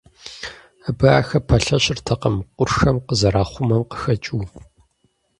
Абы ахэр пэлъэщыртэкъым къуршхэм къызэрахъумэм къыхэкӀыу.